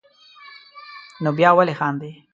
نو بیا ولې خاندې.